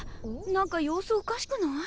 何か様子おかしくない？